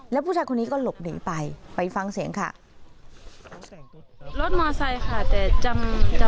แล้วผู้ชายคนนี้ก็หลบหนีไปไปฟังเสียงค่ะ